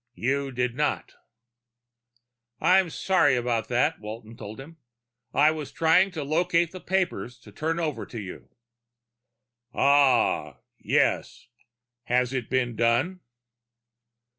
You did not." "I'm sorry about that," Walton told him. "I was trying to locate the papers to turn over to you." "Ah, yes. Has it been done?"